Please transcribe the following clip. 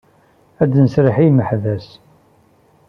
Ad d-nserreḥ i yimeḥbas.